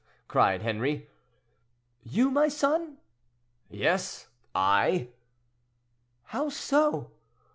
cried Henri. "You, my son?" "Yes, I?" "How so?"